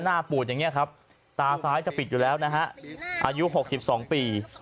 หน้าปูดอย่างเงี้ยครับตาซ้ายจะปิดอยู่แล้วนะฮะอายุหกสิบสองปี